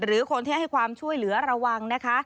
หรือคนที่ให้ความช่วยเหลือระวังนะคะ